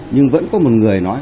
nhưng vẫn có một người nói